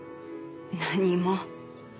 何も。